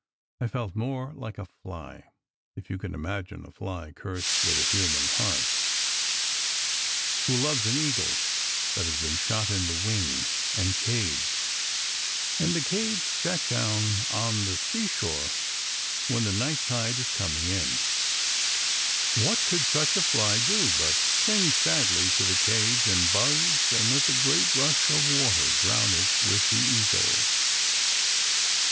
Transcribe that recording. I felt more like a fly, if you can imagine a fly cursed with a human heart, who loves an eagle that has been shot in the wing and caged, and the 158 SECRET HISTORY cage set down on the seashore when the night tide is com ing in. What could such a fly do but cling sadly to the cage and buzz and let the great rush of water drown it with the eagle?